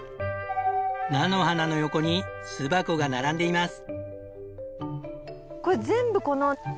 菜の花の横に巣箱が並んでいます。